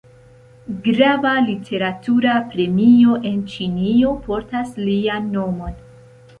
Grava literatura premio en Ĉinio portas lian nomon.